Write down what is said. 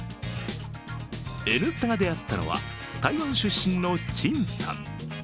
「Ｎスタ」が出会ったのは台湾出身の金さん。